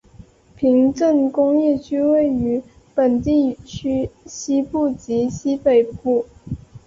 平镇工业区位于本地区西部及西北部。